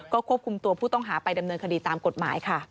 ควบคุมตัวผู้ต้องหาไปดำเนินคดีตามกฎหมายค่ะ